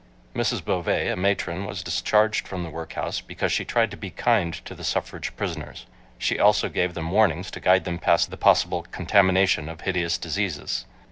Mrs. Bovee, a matron, was discharged from the workhouse because she tried to be kind to the suffrage prisoners. She also gave them warnings to guide them past the possible contamination of hideous diseases.